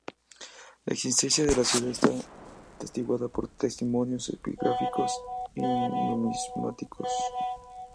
La existencia de la ciudad esta atestiguada por testimonios epigráficos y numismáticos.